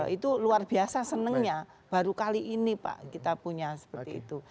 itu luar biasa senangnya baru kali ini pak kita punya seperti itu